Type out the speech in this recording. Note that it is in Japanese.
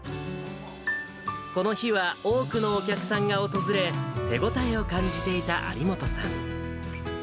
この日は多くのお客さんが訪れ、手応えを感じていた有本さん。